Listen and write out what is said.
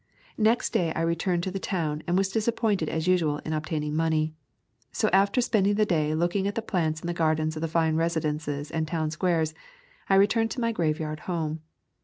Next day I returned to the town and was disappointed as usual in obtaining money. So after spending the day looking at the plants in the gardens of the fine residences and town squares, I returned to my graveyard home.